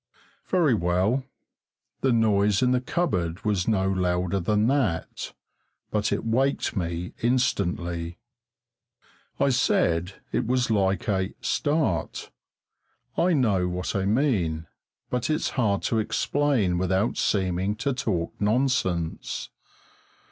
Very well, the noise in the cupboard was no louder than that, but it waked me instantly. I said it was like a "start." I know what I mean, but it's hard to explain without seeming to talk nonsense.